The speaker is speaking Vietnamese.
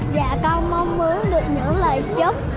và con mong mướn được những lời chúc